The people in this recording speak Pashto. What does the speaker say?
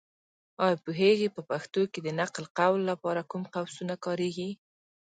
ایا پوهېږې؟ په پښتو کې د نقل قول لپاره کوم قوسونه کارېږي.